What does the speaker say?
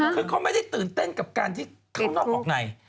คือเขาไม่ได้ตื่นเต้นกับการที่เข้านอกออกใน